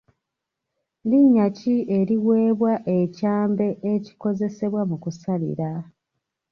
Linnya ki eriweebwa ekyambe ekikozesebwa mu kusalira?